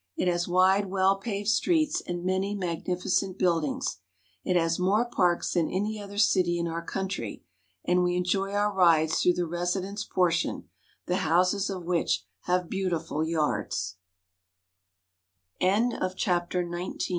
It has wide, well paved streets and many magnificent buildings. It has more parks than any other city in our country, and we enjoy our rides through the residence portion, the houses of which have beauti